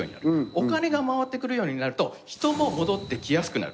お金がまわってくるようになると人も戻ってきやすくなる。